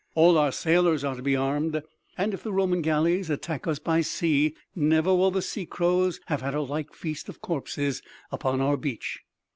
All our sailors are to be armed, and if the Roman galleys attack us by sea, never will the sea crows have had a like feast of corpses upon our beach."